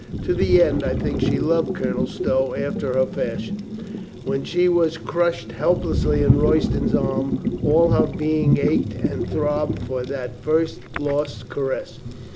To the end, I think, she loved Colonel Stow after her fashion. When she was crushed helpless in Roy ston's arms, all her being ached and throbbed for that first lost caress.